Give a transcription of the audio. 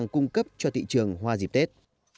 cung cấp cho thị trường hoa dịp tết